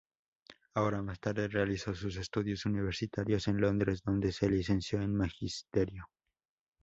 Años más tarde realizó sus estudios universitarios en Londres donde se licenció en magisterio.